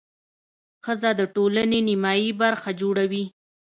ښځه د ټولنې نیمایي برخه جوړوي.